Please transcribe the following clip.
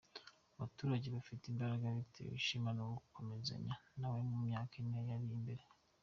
Abaturage bafite imbaraga ! Biteye ishema gukomezanya nawe mu myaka ine iri imbere,”.